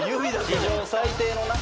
史上最低のな。